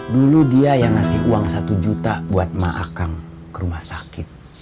dulu dia yang ngasih uang satu juta buat mahakang ke rumah sakit